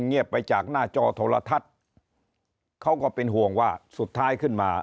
เงียบไปจากหน้าจอโทรทัศน์เขาก็เป็นห่วงว่าสุดท้ายขึ้นมา